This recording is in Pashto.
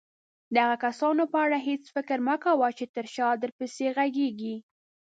د هغه کسانو په اړه هيڅ فکر مه کوه چې تر شاه درپسې غږيږي.